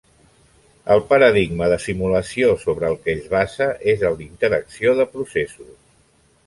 El paradigma de simulació sobre el que es basa és el d'interacció de processos.